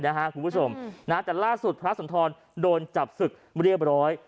คุณผู้ชมนะแต่ล่าสุดพระสุนทรโดนจับศึกเรียบร้อย